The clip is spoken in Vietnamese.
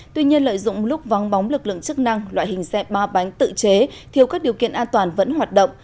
tuy nhiên lợi dụng lúc vắng bóng lực lượng chức năng loại hình xe ba bánh tự chế thiếu các điều kiện an toàn vẫn hoạt động